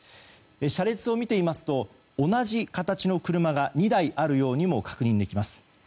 車列を見てみますと同じ形の車が２台あるようにも確認できます。